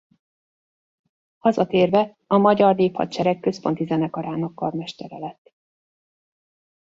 Hazatérve a Magyar Néphadsereg Központi Zenekarának karmestere lett.